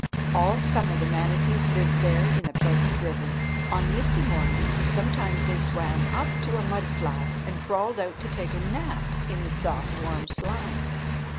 All summer the manatees lived there in the pleasant river. On misty mornings sometimes they swam up to a mud flat, and crawled out to take a nap in the soft warm slime.